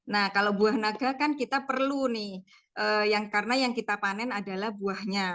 nah kalau buah naga kan kita perlu nih karena yang kita panen adalah buahnya